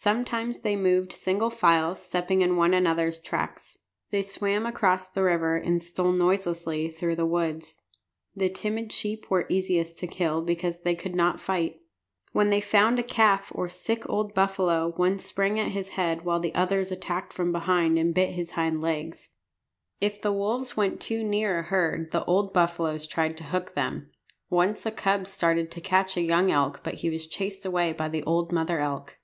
Sometimes they moved single file, stepping in one another's tracks. They swam across the river and stole noiselessly through the woods. The timid sheep were easiest to kill because they could not fight. When they found a calf or sick old buffalo one sprang at his head while the others attacked from behind and bit his hind legs. If the wolves went too near a herd the old buffaloes tried to hook them. Once a cub started to catch a young elk, but he was chased away by the old mother elk.